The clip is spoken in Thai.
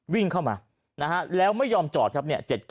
วิ่งเข้ามาแล้วไม่ยอมจอดครับ